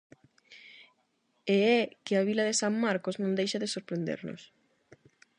E é que a vila de San Marcos non deixa de sorprendernos.